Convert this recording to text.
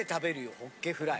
ホッケフライ。